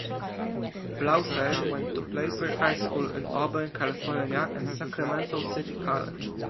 Blauser went to Placer High School in Auburn, California and Sacramento City College.